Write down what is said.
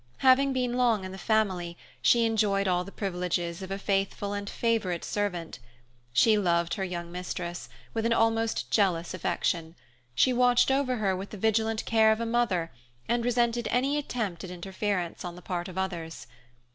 Having been long in the family, she enjoyed all the privileges of a faithful and favorite servant. She loved her young mistress with an almost jealous affection. She watched over her with the vigilant care of a mother and resented any attempt at interference on the part of others.